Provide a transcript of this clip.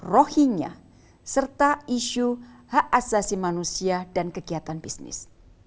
rohingya serta isu hak asasi manusia dan kegiatan bisnis